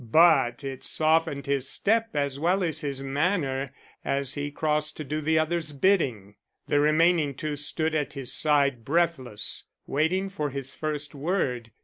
But it softened his step as well as his manner as he crossed to do the other's bidding. The remaining two stood at his side breathless, waiting for his first word.